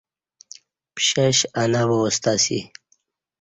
پشش اناو واستہ اسی